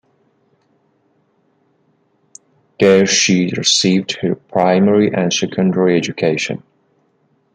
There she received her primary and secondary education.